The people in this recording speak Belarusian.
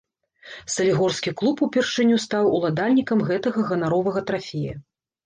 Салігорскі клуб упершыню стаў уладальнікам гэтага ганаровага трафея.